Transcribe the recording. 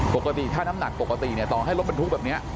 ปกติถ้าน้ำหนักปกติเนี่ยต่อให้รถบรรทุกแบบนี้